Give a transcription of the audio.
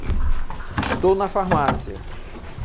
Estou na farmácia.